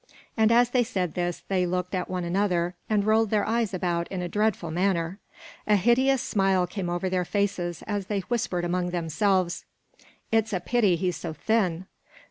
And as they said this they looked at one another, and rolled their eyes about in a dreadful manner. A hideous smile came over their faces as they whispered among themselves: "It's a pity he's so thin."